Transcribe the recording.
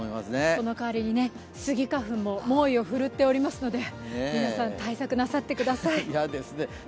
その代わりにスギ花粉も猛威を振るっていますので皆さん、対策なさってください。